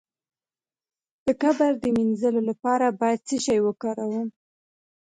د کبر د مینځلو لپاره باید څه شی وکاروم؟